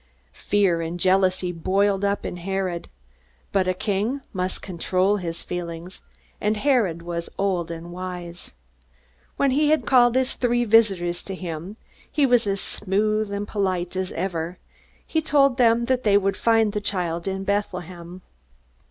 Fear and jealousy boiled up in Herod. But a king must control his feelings, and Herod was old and wise. When he had called his three visitors to him, he was as smooth and polite as ever. He told them that they would find the child in Bethlehem.